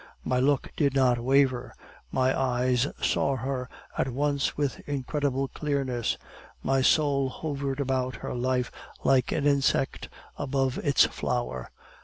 My look did not waver; my eyes saw her at once with incredible clearness; my soul hovered about her life like an insect above its flower.